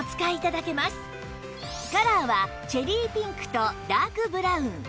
カラーはチェリーピンクとダークブラウン